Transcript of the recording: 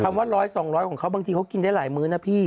ว่า๑๐๐๒๐๐ของเขาบางทีเขากินได้หลายมื้อนะพี่